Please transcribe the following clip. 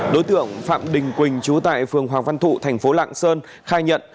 đối tượng phạm đình quỳnh chú tại phường hoàng văn thụ thành phố lạng sơn khai nhận